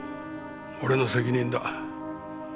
俺の責任だ。